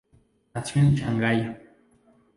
Nació en Shanghái.